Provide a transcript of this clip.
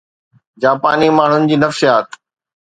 جاپاني ماڻهن جي نفسيات